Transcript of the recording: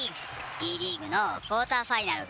Ｂリーグのクオーターファイナルが。